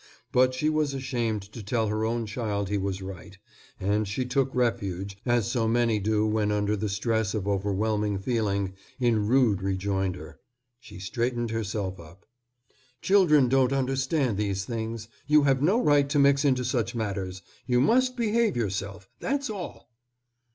But she was ashamed to tell her own child he was right, and she took refuge, as so many do when under the stress of overwhelming feeling, in rude rejoinder. She straightened herself up. "Children don't understand such things. You have no right to mix into such matters. You must behave yourself. That's all."